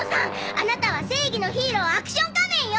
アナタは正義のヒーローアクション仮面よ！